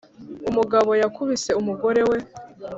umugabo yakubise umugore we